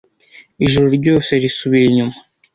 Ijoro ryose risubira inyuma;